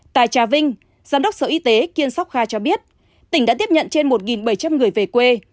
tại trà vinh giám đốc sở y tế kiên sóc kha cho biết tỉnh đã tiếp nhận trên một bảy trăm linh người về quê